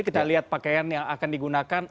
kita lihat pakaian yang akan digunakan